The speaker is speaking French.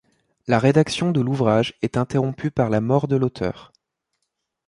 La rédaction de l'ouvrage est interrompue par la mort de l'auteur.